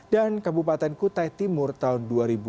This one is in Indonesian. dan kabupaten kutai timur tahun dua ribu lima puluh satu